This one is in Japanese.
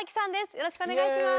よろしくお願いします。